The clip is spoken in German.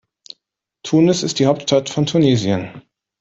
Tunis ist die Hauptstadt von Tunesien.